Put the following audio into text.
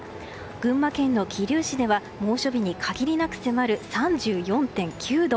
群馬県の桐生市では猛暑日に限りなく迫る３４．９度。